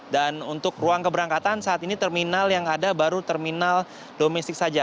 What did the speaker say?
dan untuk ruang keberangkatan saat ini terminal yang ada baru terminal domestik saja